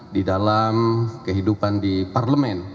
di dalam kehidupan di parlemen